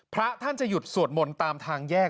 พระท่านจะหยุดสวดมนต์ตามทางแยก